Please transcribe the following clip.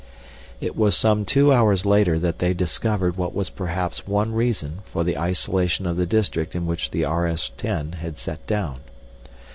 It was some two hours later that they discovered what was perhaps one reason for the isolation of the district in which the RS 10 had set down.